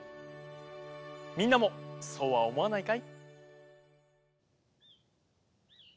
みんなもそうはおもわないかい？